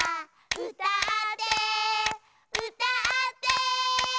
「うたってうたって」